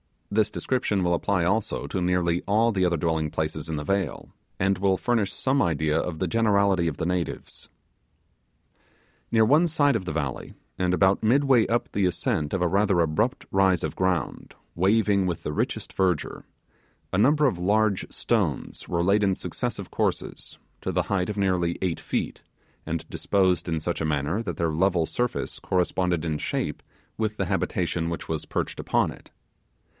This description will apply also to nearly all the other dwelling places in the vale, and will furnish some idea of the generality of the natives. Near one side of the valley, and about midway up the ascent of a rather abrupt rise of ground waving with the richest verdure, a number of large stones were laid in successive courses, to the height of nearly eight feet, and disposed in such a manner that their level surface corresponded in shape with the habitation which was perched upon it.